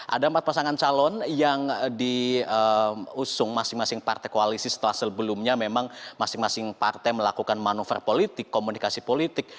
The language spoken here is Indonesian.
ada empat pasangan calon yang diusung masing masing partai koalisi setelah sebelumnya memang masing masing partai melakukan manuver politik komunikasi politik